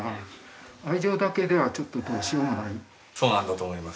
そうなんだと思います